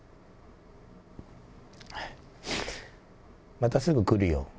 またすぐ来るよ。